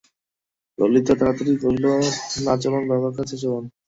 ললিতা তাড়াতাড়ি কহিল, না, চলুন, বাবার কাছে চলুন।